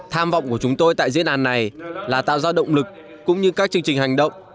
tham vọng của chúng tôi tại diễn đàn này là tạo ra động lực cũng như các chương trình hành động